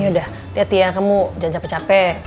yaudah hati hati ya kamu jangan capek capek